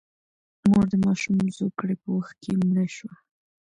مور د ماشوم زوکړې په وخت کې مړه شوه.